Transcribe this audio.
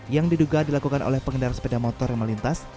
yang diduga dilakukan oleh pengendara sepeda motor yang melintas